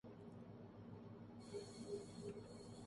بل Cosby کی نظرثانی درخواست پر ریپ کیس کی سماعت